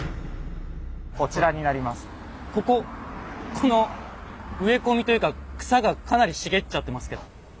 この植え込みというか草がかなり茂っちゃってますけど。